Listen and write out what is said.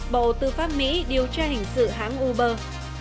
bộ tư pháp mỹ điều tra hình sự hãng uber